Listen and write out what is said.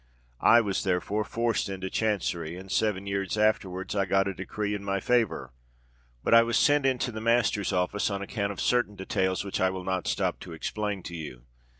I was therefore forced into Chancery; and seven years afterwards I got a decree in my favour, but I was sent into the Master's Office on account of certain details which I will not stop to explain to you.